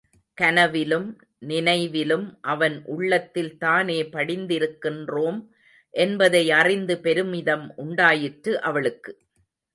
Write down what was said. கனவிலும் நினைவிலும் அவன் உள்ளத்தில் தானே படிந்திருக்கின்றோம் என்பதை அறிந்து பெருமிதம் உண்டாயிற்று அவளுக்கு.